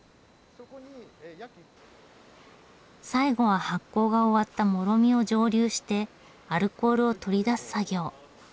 最後は発酵が終わったモロミを蒸留してアルコールを取り出す作業。